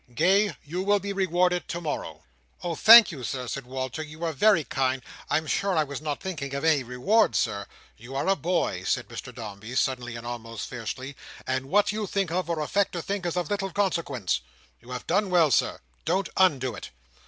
Gay, you will be rewarded to morrow." "Oh! thank you, Sir," said Walter. "You are very kind. I'm sure I was not thinking of any reward, Sir." "You are a boy," said Mr Dombey, suddenly and almost fiercely; "and what you think of, or affect to think of, is of little consequence. You have done well, Sir. Don't undo it.